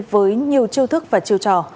với nhiều chiêu thức và chiêu trò